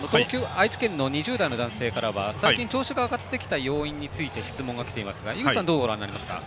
愛知県の２０代の男性から最近調子が上がってきた要因について質問がきていますが井口さん、どうご覧になりますか。